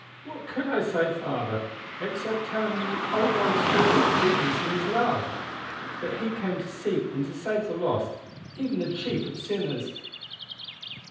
"What could I say, father, except tell him the old, old story of Jesus and His love; that He came to seek and to save the lost, even the chief of sinners?"